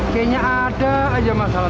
kayaknya ada aja masalah